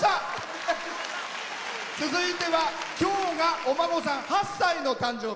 続いては今日が私のお孫さん８歳の誕生日。